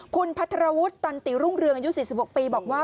คุณพัทรวุฒิตันติรุ่งเรืองอายุ๔๖ปีบอกว่า